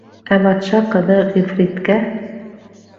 Ә батша ҡыҙы ғифриткә: